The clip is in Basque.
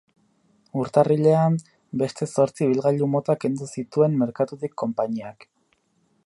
Urtarrilean, beste zortzi ibilgailu mota kendu zituen merkatutik konpainiak.